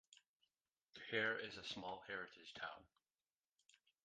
Cahir is a small heritage town.